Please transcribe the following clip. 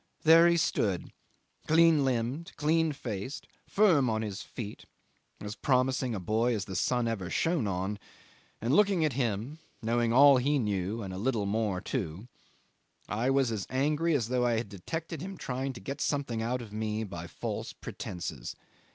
There he stood, clean limbed, clean faced, firm on his feet, as promising a boy as the sun ever shone on; and, looking at him, knowing all he knew and a little more too, I was as angry as though I had detected him trying to get something out of me by false pretences.